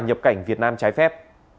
nhập cảnh việt nam trái phép